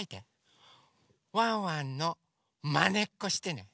ワンワンのまねっこしてね！